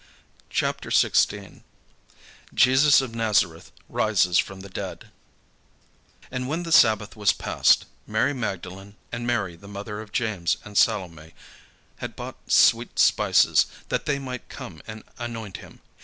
CHAPTER XVI JESUS OF NAZARETH RISES FROM THE DEAD And when the sabbath was past, Mary Magdalene, and Mary the mother of James, and Salome, had bought sweet spices, that they might come and anoint him.